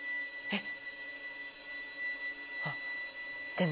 えっ⁉